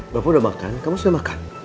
bapak udah makan kamu sudah makan